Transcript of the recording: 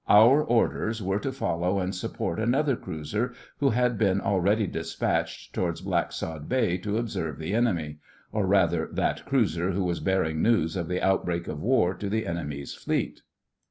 Our orders were to follow and support another cruiser who had been already despatched towards Blacksod Bay to observe the enemy—or rather that cruiser who was bearing news of the outbreak of War to the enemy's Fleet.